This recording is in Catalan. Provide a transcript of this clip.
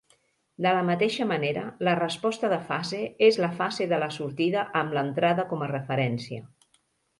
De la mateixa manera, la resposta de fase és la fase de la sortida amb l'entrada com a referència.